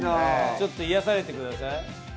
ちょっと癒やされてください。